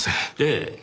ええ。